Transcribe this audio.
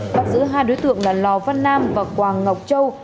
bắt giữ hai đối tượng là lò văn nam và quang ngọc châu